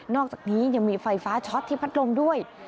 อกจากนี้ยังมีไฟฟ้าช็อตที่พัดลมด้วย